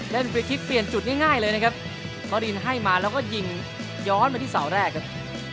ฟรีคลิกเปลี่ยนจุดง่ายเลยนะครับฟารินให้มาแล้วก็ยิงย้อนมาที่เสาแรกครับ